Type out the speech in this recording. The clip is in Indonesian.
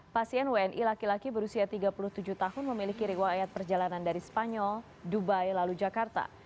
pasien wni laki laki berusia tiga puluh tujuh tahun memiliki riwayat perjalanan dari spanyol dubai lalu jakarta